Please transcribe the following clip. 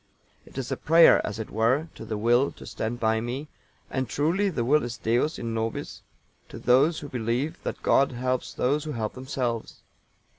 It is a prayer, as it were, to the Will to stand by me, and truly the will is Deus in nobis to those who believe that God helps those who help themselves.